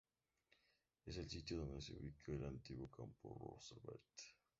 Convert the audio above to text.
Es el sitio donde se ubicaba el antiguo campo Roosevelt.